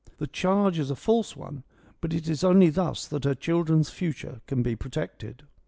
The charge is a false one, but it is only thus that her children's future can be protected.